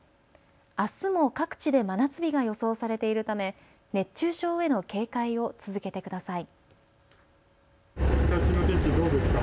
あすも各地で真夏日が予想されているため、熱中症への警戒を続けてください。